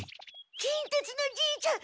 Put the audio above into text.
金鉄のじいちゃん